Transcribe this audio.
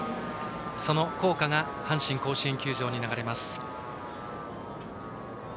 その校歌が阪神甲子園球場に流れます。